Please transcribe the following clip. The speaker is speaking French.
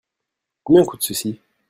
Combien coûte ceci ?